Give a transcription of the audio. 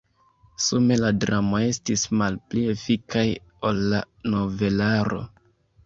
Sume la dramoj estis malpli efikaj ol la novelaro.